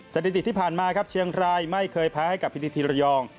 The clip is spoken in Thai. สถิติที่ผ่านมาครับเชียงรายไม่เคยแพ้ให้กับพินีทีระยอง